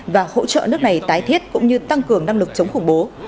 và hỗ trợ nước này tái thiết cũng như tăng cường năng lực chống khủng bố